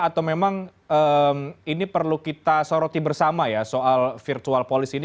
atau memang ini perlu kita soroti bersama ya soal virtual police ini